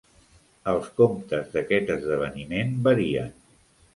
Els comptes d'aquest esdeveniment varien.